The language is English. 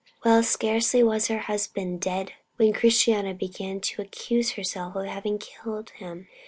Well, scarcely was her husband dead when Christiana began to accuse herself of having killed him.